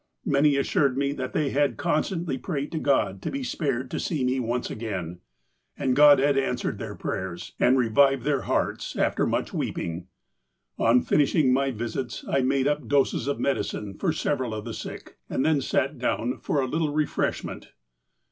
Many as sured me that they had constantly prayed to God to be spared to see me once again, and God had answered their prayers, and revived their hearts, after much weeping. On finishing my visits I made up doses of medicine for several of the sick, and then sat down for a little refreshment.